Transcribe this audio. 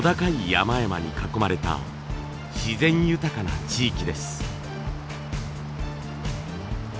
山々に囲まれた自然豊かな地域です。